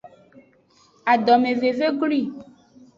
Adomeveve glwi.